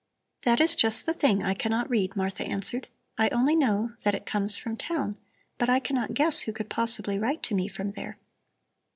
"That is just the thing I cannot read," Martha answered. "I only know that it comes from town, but I cannot guess who could possibly write to me from there."